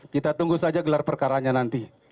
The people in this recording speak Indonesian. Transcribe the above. kita tunggu saja gelar perkaranya nanti